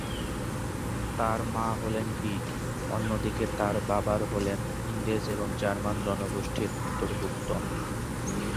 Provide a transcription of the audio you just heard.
তার মা হলেন গ্রিক, অন্যদিকে তার বাবার হলেন ইংরেজ এবং জার্মান জনগোষ্ঠীর অন্তর্ভুক্ত।